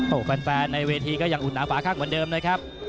โอ้โหแฟนในเวทีก็ยังอุ่นหนาฝาข้างเหมือนเดิมนะครับ